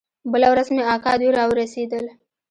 بله ورځ مې اکا دوى راورسېدل.